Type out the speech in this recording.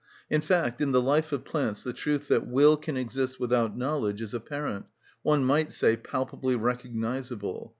In fact, in the life of plants the truth that will can exist without knowledge is apparent—one might say palpably recognisable.